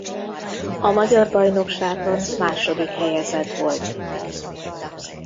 A magyar bajnokságban második helyezett volt.